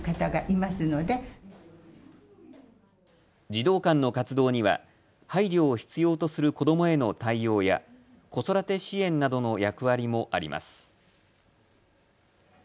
児童館の活動には配慮を必要とする子どもへの対応や子育て支援などの役割もあります。